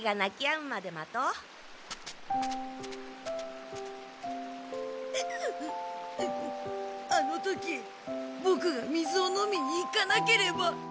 うっうっあの時ボクが水を飲みに行かなければ。